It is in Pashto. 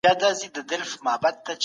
د ژوند حق تر ټولو مهم فطري حق دی.